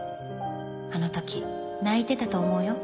あの時泣いてたと思うよ。